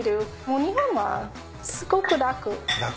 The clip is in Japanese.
もう日本はすごく楽。